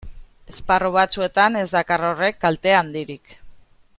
Esparru batzuetan ez dakar horrek kalte handirik.